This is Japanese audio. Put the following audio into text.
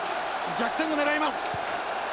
逆転を狙います。